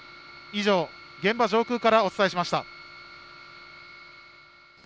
以上、現場上空からお伝えしました。